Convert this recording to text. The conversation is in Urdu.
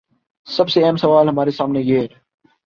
سب سے اہم سوال ہمارے سامنے یہ ہے۔